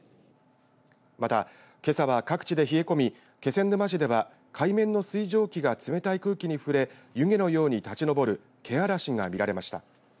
また、けさは各地で冷え込み気仙沼市では海面の水蒸気が冷たい空気に触れ湯気のように立ちのぼる気嵐が見られました。